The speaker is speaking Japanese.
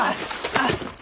あっ。